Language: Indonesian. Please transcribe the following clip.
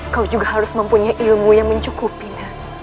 kau juga harus mempunyai ilmu yang mencukupinya